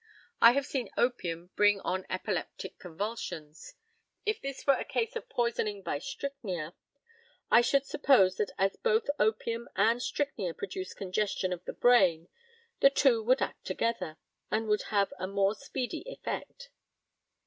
I have seen opium bring on epileptic convulsions. If this were a case of poisoning by strychnia, I should suppose that as both opium and strychnia produce congestion of the brain, the two would act together, and would have a more speedy effect.